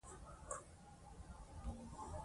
د ټولنیزو شبکو کارونکي ورځ په ورځ زياتيږي